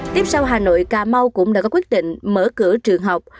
tiếp sau hà nội cà mau cũng đã có quyết định mở cửa trường học